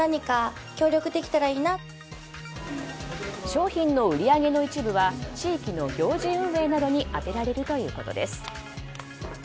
商品の売り上げの一部は地域の行事運営などに充てられるということです。